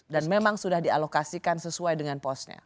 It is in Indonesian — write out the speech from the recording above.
dan memang sudah dialokasikan sesuai dengan posnya